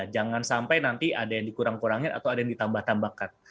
jangan sampai nanti ada yang dikurang kurangin atau ada yang ditambah tambahkan